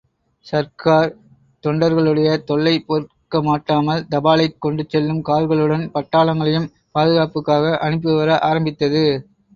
சர்க்கார், தொண்டர்களுடைய தொல்லை பொறுக்கமாட்டாமல் தபாலைக் கொண்டு செல்லும் கார்களுடன் பட்டாளங்களையும் பாதுகாப்புக்காக அனுப்பிவர ஆரம்பித்தது.